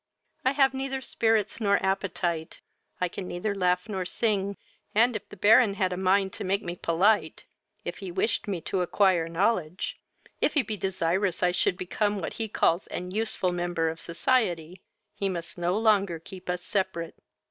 I have neither spirits nor appetite; I can neither laugh nor sing, and, if the Baron have a mind to make me polite, if he wish me to acquire knowledge, if he de desirous I should become what he calls an useful member of society, he must no longer keep us separate.